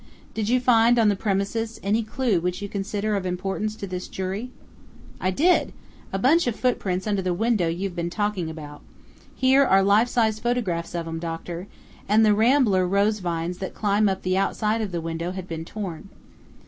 "Did you find on the premises any clue which you consider of importance to this jury?" "I did! A bunch of footprints under the window you've been talking about. Here are life size photographs of 'em, doctor.... And the rambler rose vines that climb up the outside of the window had been torn."